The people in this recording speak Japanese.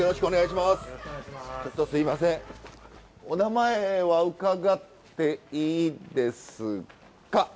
お名前は伺っていいですか？